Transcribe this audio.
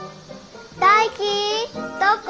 大喜どこ？